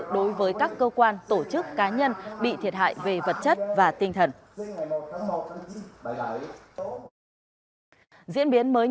đối với các cơ quan tổ chức cá nhân bị thiệt hại về vật chất và tinh thần